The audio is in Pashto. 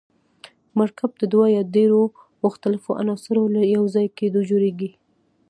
مرکب د دوه یا ډیرو مختلفو عناصرو له یوځای کیدو جوړیږي.